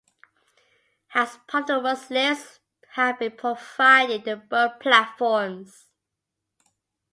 As part of the works lifts have been provided to both platforms.